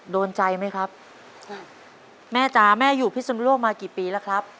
โดนใจไหมครับจ้ะแม่จ๋าแม่อยู่พิศนุโลกมากี่ปีแล้วครับ